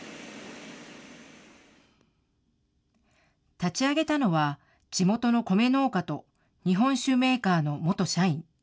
立ち上げたのは、地元の米農家と、日本酒メーカーの元社員。